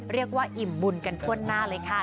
เรียกว่าอิ่มบุญกันทั่วหน้าเลยค่ะ